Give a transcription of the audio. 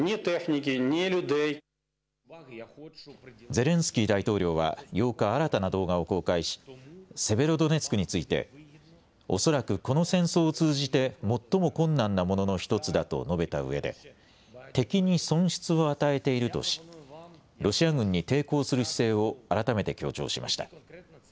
ゼレンスキー大統領は８日、新たな動画を公開し、セベロドネツクについて、恐らくこの戦争を通じて、最も困難なものの１つだと述べたうえで、敵に損失を与えているとし、ロシア軍に抵抗する姿勢を改めて強調しました。